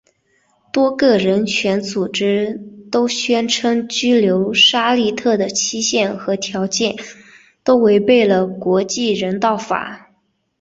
多个人权组织都宣称拘留沙利特的期限和条件都违背了国际人道法。